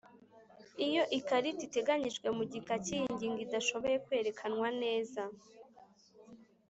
Iyo ikarita iteganijwe mu gika cyi'iyi ngingo idashoboye kwerekanwa neza